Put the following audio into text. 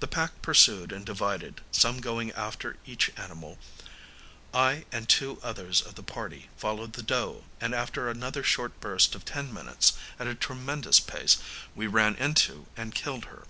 The pack pursued and divided, some going after each animal. I, and two others of the party, followed the doe, and after another short burst of ten minutes, at a tremendous pace, we ran into and killed her.